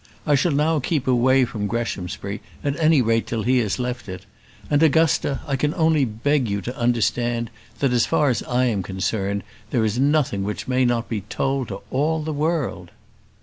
I shall now keep away from Greshamsbury, at any rate till he has left it; and, Augusta, I can only beg you to understand, that, as far as I am concerned, there is nothing which may not be told to all the world."